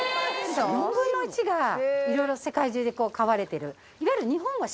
４分の１がいろいろ世界中でこう飼われてるいわゆる。